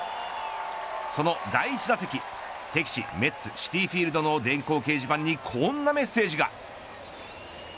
その第１打席、敵地メッツ・シティフィールドの電光掲示板にこんなメッセージが。